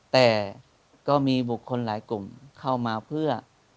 แต่ก็มีบุคคลหลายกลุ่มเข้ามาเพื่อ